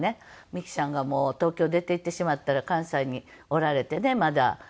美樹ちゃんが東京へ出て行ってしまったら関西におられてねまだ。